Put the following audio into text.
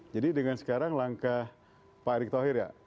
jadi dengan sekarang langkah pak erick thohir ya